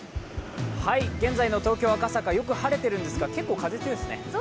現在の東京・赤坂、よく晴れているんですが結構風が強いですね。